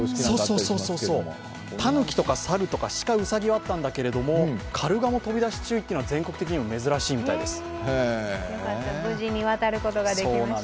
そうそう、たぬきとか、しかとかうさぎはあったんだけどもカルガモ飛び出し注意は全国的にも珍しいみたいです。